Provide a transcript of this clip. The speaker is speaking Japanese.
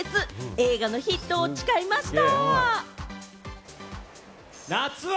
映画のヒットを誓いました。